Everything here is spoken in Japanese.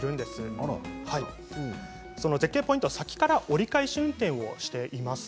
この絶景ポイントは先から折り返し運転をしています。